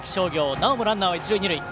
なおもランナーは一塁二塁。